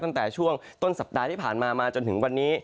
ตั้งแต่ช่วงต้นสัปดาห์ที่ผ่านมามาจนถึงวันนี้